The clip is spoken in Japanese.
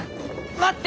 待って！